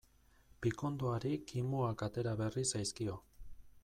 Pikondoari kimuak atera berri zaizkio.